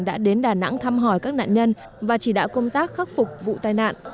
đã đến đà nẵng thăm hỏi các nạn nhân và chỉ đạo công tác khắc phục vụ tai nạn